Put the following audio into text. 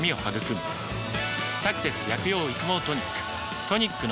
「サクセス薬用育毛トニック」